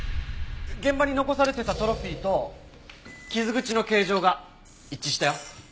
現場に残されてたトロフィーと傷口の形状が一致したよ。